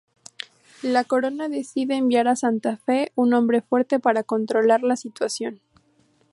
La corona decide enviar a Santa Fe un hombre fuerte para controlar la situación.